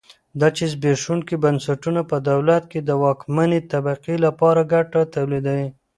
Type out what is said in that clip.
دا چې زبېښونکي بنسټونه په دولت کې د واکمنې طبقې لپاره ګټه تولیدوي.